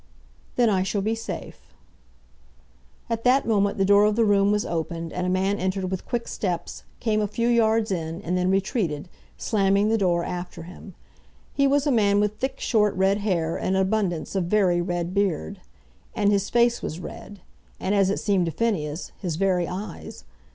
"Then I shall be safe." At that moment the door of the room was opened, and a man entered with quick steps, came a few yards in, and then retreated, slamming the door after him. He was a man with thick short red hair, and an abundance of very red beard. And his face was red, and, as it seemed to Phineas, his very eyes.